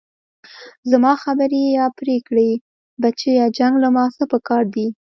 زما خبرې يې راپرې كړې بچيه جنګ له مازغه پكار دي.